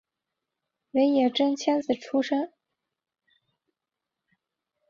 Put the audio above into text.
尾野真千子出身。